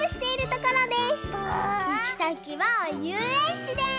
いきさきはゆうえんちです！